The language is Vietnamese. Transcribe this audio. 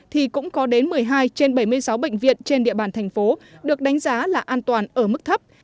thì cũng có đến một mươi hai trên bảy mươi sáu bệnh viện trên địa bàn thành phố được đánh giá là an toàn ở mức thấp